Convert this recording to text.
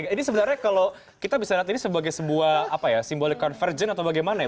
ini sebenarnya kalau kita bisa lihat ini sebagai sebuah simbolik convergen atau bagaimana ya